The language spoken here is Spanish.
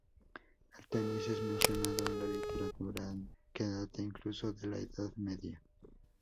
El tenis es mencionado en la literatura que data incluso de la Edad Media.